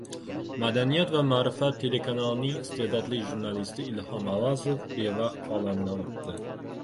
"Madaniyat va ma'rifat" telekanalining iste’dodli jurnalisti Ilhom Avazov bevaqt olamdan o‘tdi